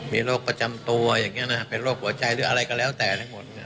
มีโรคประจำตัวอย่างนี้นะครับเป็นโรคหัวใจหรืออะไรก็แล้วแต่ทั้งหมด